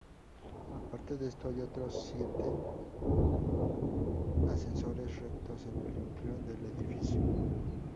Aparte de esto, hay otros siete ascensores rectos en el núcleo del edificio.